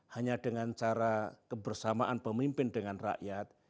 hanya dengan cara kebersamaan pemimpin dengan rakyat